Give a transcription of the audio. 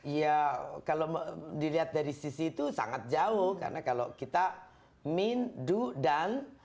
ya kalau dilihat dari sisi itu sangat jauh karena kalau kita mean do dan